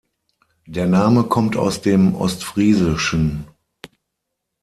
Der Name kommt aus dem Ostfriesischen.